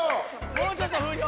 もうちょっと風量。